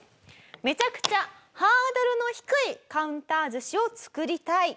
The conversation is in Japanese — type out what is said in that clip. めちゃくちゃハードルの低いカウンター寿司を作りたい。